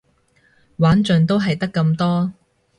玩盡都係得咁多